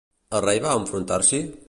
El rei va enfrontar-s'hi?